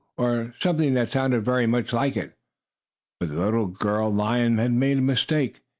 or something that sounded very much like it. But the little girl lion had made a mistake.